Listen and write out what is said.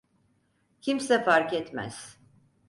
Kimse fark etmez.